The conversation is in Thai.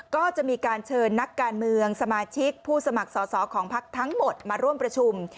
ก็จะมีการเชิญนักการเมืองสมาชิกผู้สมัครสอสอของพักทั้งหมดมาร่วมประชุม